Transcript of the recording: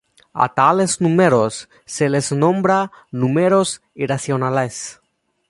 A tales números se les nombra "números irracionales".